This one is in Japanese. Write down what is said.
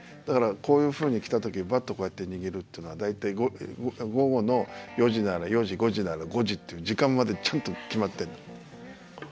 だからこういうふうに来た時バットをこうやって握るっていうのは大体午後の４時なら４時５時なら５時っていう時間までちゃんと決まってるの。